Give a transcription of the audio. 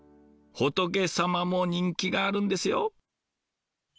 仏様も人気があるんですよ。